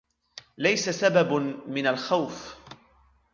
ليس سبب من الخوف.